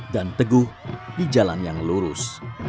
dan teguh di jalan yang lurus